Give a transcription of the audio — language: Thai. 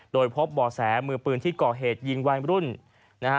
โดยพบบ่อแสมือปืนที่ก่อเหตุยิงวัยรุ่นนะฮะ